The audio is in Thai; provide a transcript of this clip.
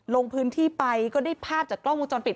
ลงพื้นที่ไปก็ได้ภาพจากกล้องวงจรปิด